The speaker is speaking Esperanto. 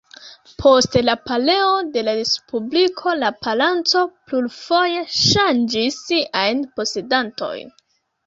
Post la pereo de la respubliko la palaco plurfoje ŝanĝis siajn posedantojn.